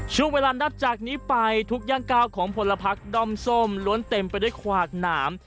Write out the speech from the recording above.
ชุดเวลามันเดิมจากมือไปทุกย่างกาวของพระพรรดิดอบส้มหลวนเต็มไปด้วยควากหนาม